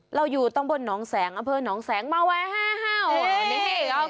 เราอยู่ต้องบนน้องแสงนะเพราะน้องแสงมาวะฮ่าว